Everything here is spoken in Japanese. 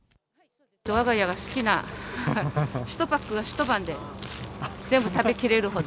わが家が好きな、１パックが一晩で全部食べ切れるほど。